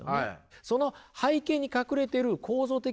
その背景に隠れている構造的